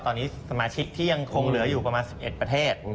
ตอนนี้สมาชิกที่ยังคงเหลืออยู่ประมาณ๑๑ประเทศ